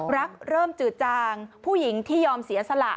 เริ่มจืดจางผู้หญิงที่ยอมเสียสละ